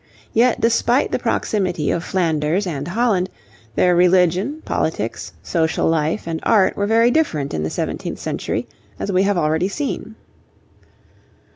Yet despite the proximity of Flanders and Holland, their religion, politics, social life, and art were very different in the seventeenth century, as we have already seen.